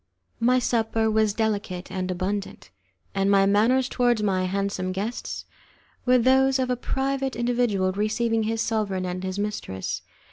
My supper was delicate and abundant, and my manners towards my handsome guests were those of a private individual receiving his sovereign and his mistress.